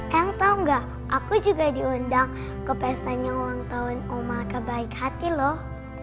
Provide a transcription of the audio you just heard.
eyang tau gak aku juga diundang ke pesta nya ulang tahun om mal kebaik hati loh